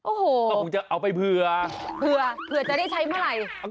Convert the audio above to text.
โอ้โหเผื่อเผื่อจะได้ใช้เมื่อไหร่